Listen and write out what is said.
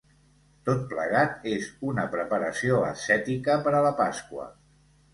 Tot plegat és una preparació ascètica per a la Pasqua.